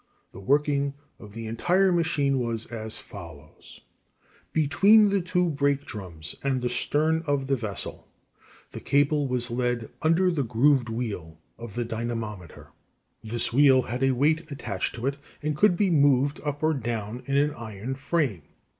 The working of the entire machine was as follows: "Between the two brake drums and the stern of the vessel, the cable was led under the grooved wheel, O, of the dynamometer. This wheel had a weight attached to it, and could be moved up or down in an iron frame.